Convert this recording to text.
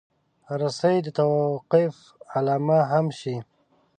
رسۍ د توقف علامه هم شي.